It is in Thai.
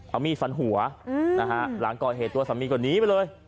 เอามีดฟันหัวนะฮะหลังก่อเหตุตัวสามีก็หนีไปเลย